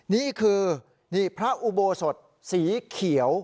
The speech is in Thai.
นี่คือพระอุโบสถสีเขียว